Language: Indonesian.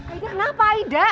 aida kenapa aida